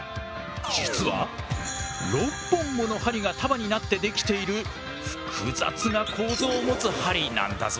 実は６本もの針が束になってできている複雑な構造を持つ針なんだぞ。